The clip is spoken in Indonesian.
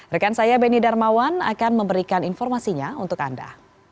rekan saya beni darmawan akan memberikan informasinya untuk anda